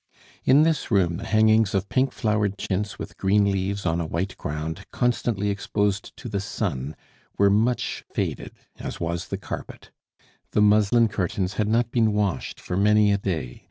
In this room, the hangings of pink flowered chintz with green leaves on a white ground, constantly exposed to the sun, were much faded, as was the carpet. The muslin curtains had not been washed for many a day.